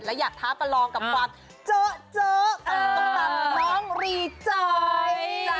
ความเผ็ดและอยากท้าประลองกับความเจาะต่างน้องรีจอย